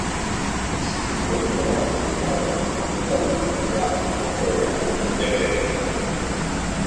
Se encuentra ubicado a poca distancia al norte de la ciudad de Bremen.